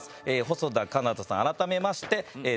細田佳央太さん改めまして。